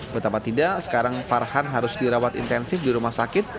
betapa tidak sekarang farhan harus dirawat intensif di rumah sakit